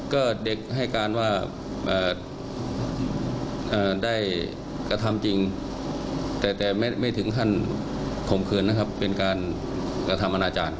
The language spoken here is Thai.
ก็เด็กให้การว่าได้กระทำจริงแต่ไม่ถึงขั้นข่มขืนนะครับเป็นการกระทำอนาจารย์